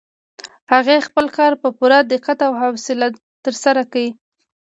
هغې خپل کار په پوره دقت او حوصله ترسره کړ.